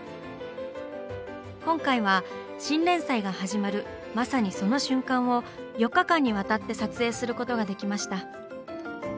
今回は新連載が始まるまさにその瞬間を４日間にわたって撮影することができました。